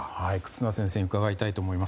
忽那先生に伺いたいと思います。